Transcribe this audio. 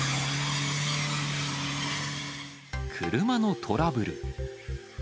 車のトラブル。